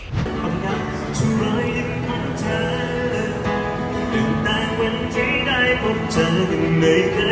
ไม่เคยเห็นแค่ไหนที่ฉันจะงามห่องเดาบนฟ้า